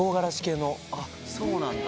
あっそうなんだ